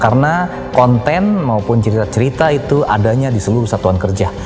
karena konten maupun cerita cerita itu adanya di seluruh satuan kerja